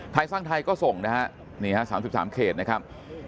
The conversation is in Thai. ไทยสร้างไทยก็ส่งนะฮะนี่ฮะ๓๓เขตนะครับ